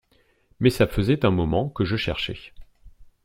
Mais ça faisait un moment que je cherchais.